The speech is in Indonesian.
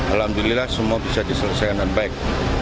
alhamdulillah semua bisa diselesaikan dengan baik